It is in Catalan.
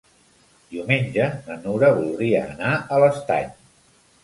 Diumenge na Nura voldria anar a l'Estany.